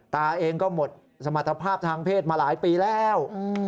ตาเองก็หมดสมรรถภาพทางเพศมาหลายปีแล้ว